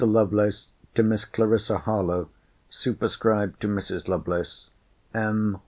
LOVELACE, TO MISS CLARISSA HARLOWE [SUPERSCRIBED TO MRS. LOVELACE.] M.